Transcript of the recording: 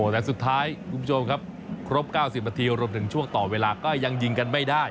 แต่สุดท้ายคุณผู้ชมครับครบ๙๐นาทีรวมถึงช่วงต่อเวลาก็ยังยิงกันไม่ได้